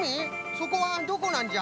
そこはどこなんじゃ？